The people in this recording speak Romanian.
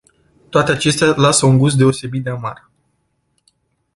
Toate acestea lasă un gust deosebit de amar.